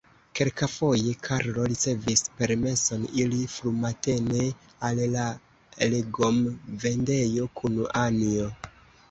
Kelkafoje Karlo ricevis permeson iri frumatene al la legomvendejo kun Anjo.